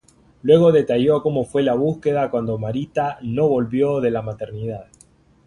Luego detalló cómo fue la búsqueda, cuando Marita no volvió de la Maternidad.